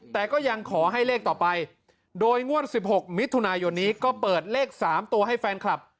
แต่ก็ยังขอให้เลขต่อไปโดยงวด๑๖มิถุนายนนี้ก็เปิดเลข๓ตัวให้แฟนคลับ